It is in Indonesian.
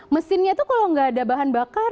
mesinnya itu kalau nggak ada bahan bakar